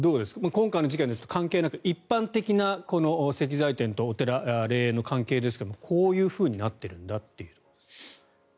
今回の事件とはちょっと関係なく一般的な石材店とお寺、霊園の関係性ですがこういうふうになってるんだという。